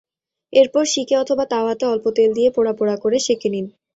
এরপর শিকে অথবা তাওয়াতে অল্প তেল দিয়ে পোড়া পোড়া করে সেঁকে নিন।